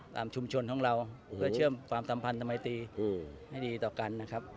ชุมชนของเราเพื่อเชื่อมความสัมพันธมัยตีให้ดีต่อกันนะครับ